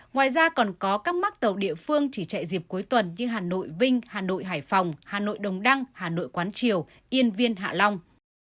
ngoài ra còn có các mắc tàu địa phương chỉ chạy dịp cuối tuần như hà nội vinh hà nội hải phòng hà nội đồng đăng hà nội quán triều yên viên hạ long